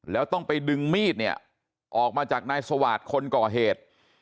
แล้วต้องไปดึงมีดออกมาจากนายสวาทคนก่อเหตุ